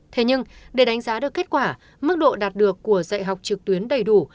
thế nhưng để đánh giá được kết quả mức độ đạt được của dạy học trực tuyến đầy đủ